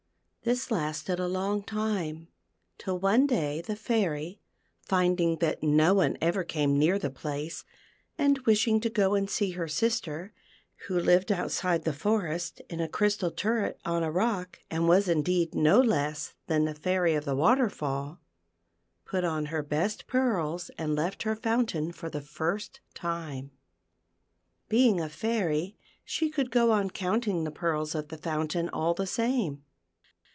This lasted a long time ; till one day the Fair) , finding that no one ever came near the place, and wish 6 THE PEARL FOUNTAIN. ing to go and see her sister, who Hved outside the forest in a crystal turret on a rock, and was indeed no less than the Fairy of the Waterfall, put on her best pearls and left her fountain for the first time. Being a fairy, she could go on counting the pearls of the fountain all the same.